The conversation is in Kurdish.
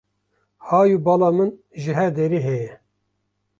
Hay û bala min ji her derê heye.